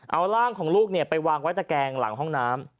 เอาร่างของลูกไปวางไว้ตะแกงหลังห้องน้ำ